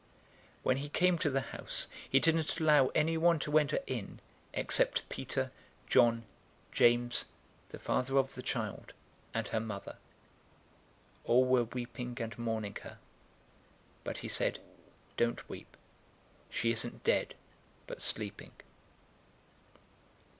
008:051 When he came to the house, he didn't allow anyone to enter in, except Peter, John, James, the father of the child, and her mother. 008:052 All were weeping and mourning her, but he said, "Don't weep. She isn't dead, but sleeping."